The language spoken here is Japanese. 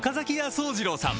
惣次郎さん